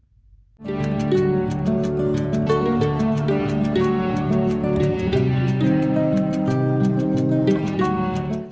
hãy đăng ký kênh để ủng hộ kênh của mình nhé